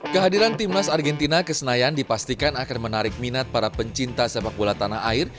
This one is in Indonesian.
kehadiran timnas argentina ke senayan dipastikan akan menarik minat para pencinta sepak bola tanah air